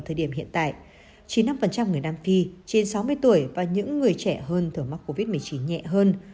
thời điểm hiện tại chín mươi năm người nam phi trên sáu mươi tuổi và những người trẻ hơn thường mắc covid một mươi chín nhẹ hơn